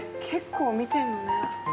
結構見てんのね。